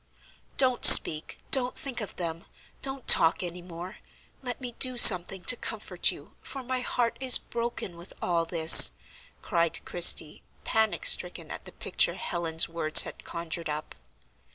"Don't speak, don't think of them! Don't talk any more; let me do something to comfort you, for my heart is broken with all this," cried Christie, panic stricken at the picture Helen's words had conjured up.